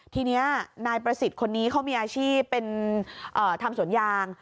ทีนี้นายประสิทธิ์คนนี้เขามีอาชีพเป็นทำสวนยาง